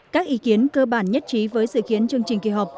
các ý kiến cơ bản nhất trí với dự kiến chương trình kỳ họp